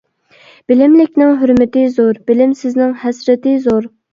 بىلىملىكنىڭ ھۆرمىتى زور، بىلىمسىزنىڭ ھەسرىتى زور.